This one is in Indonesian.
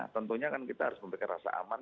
tentunya kan kita harus memberikan rasa aman